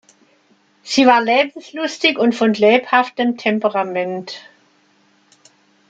Sie war lebenslustig und von lebhaftem Temperament.